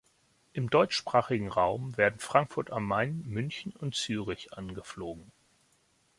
Im deutschsprachigen Raum werden Frankfurt am Main, München und Zürich angeflogen.